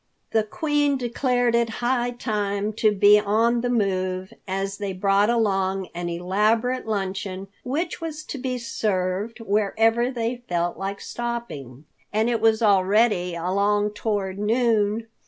The Queen declared it high time to be on the move, as they had brought along an elaborate luncheon which was to be served wherever they felt like stopping, and it was already along toward noon.